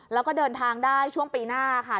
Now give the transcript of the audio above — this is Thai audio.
แล้วก็เดินทางได้ช่วงปีหน้าค่ะ